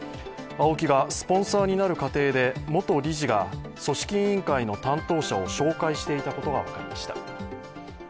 ＡＯＫＩがスポンサーになる過程で元理事が組織委員会の担当者を紹介していたことが分かりました。